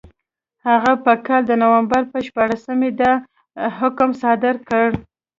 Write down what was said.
هغه په کال د نومبر په شپاړسمه دا حکم صادر کړ.